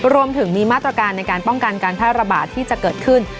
รวมถึงมีมาตรการในการป้องกันการแพร่ระบาดที่จะเกิดขึ้น